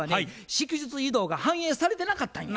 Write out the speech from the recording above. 祝日移動が反映されてなかったんや。